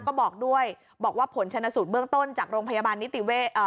ก็บอกด้วยบอกว่าผลชนสูตรเบื้องต้นจากโรงพยาบาลนิติเวศเอ่อ